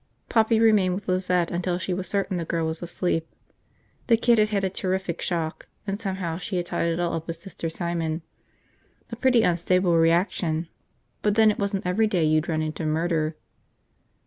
Poppy remained with Lizette until she was certain the girl was asleep. The kid had had a terrific shock and somehow she had tied it all up with Sister Simon. A pretty unstable reaction, but then it wasn't every day you'd run into murder.